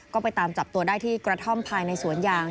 ก็ไปตามจับตัวได้ที่กระท่อมภายในสวนยาง